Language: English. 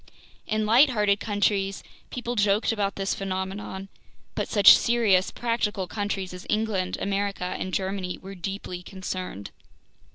In lighthearted countries, people joked about this phenomenon, but such serious, practical countries as England, America, and Germany were deeply concerned.